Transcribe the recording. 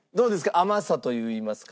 甘さといいますか。